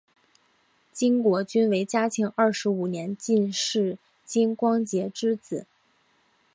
金国均为嘉庆二十五年进士金光杰之子。